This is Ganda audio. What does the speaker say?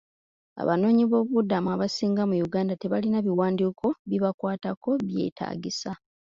Abanoonyiboobubudamu abasinga mu Uganda tebalina biwandiiko bibakwatako byetaagisa.